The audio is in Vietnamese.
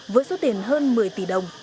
với số tiền hơn một mươi tỷ đồng